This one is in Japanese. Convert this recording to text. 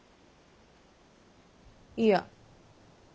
いや。